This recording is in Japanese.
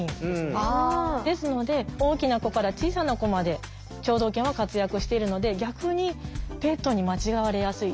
ですので大きな子から小さな子まで聴導犬は活躍しているので逆にペットに間違われやすい。